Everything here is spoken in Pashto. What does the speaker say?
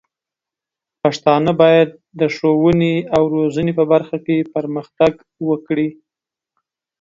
پښتانه بايد د ښوونې او روزنې په برخه کې پرمختګ وکړي.